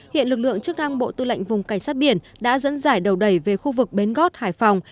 hiện lực lượng chức năng bộ tư lệnh vùng cảnh sát biển đã dẫn giải đầu đẩy về khu vực bến gót hải phòng